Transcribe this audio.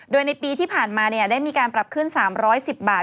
โดยในปีที่ผ่านมาได้มีการปรับขึ้น๓๑๐บาท